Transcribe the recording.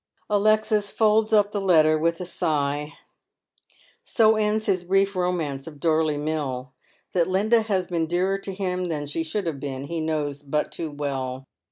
Alexis folds up the letter with a sigh. So ends his brief romance of iPorley Mill. Tliat Linda has been dearer to him than she shfitild have been he knows but too well.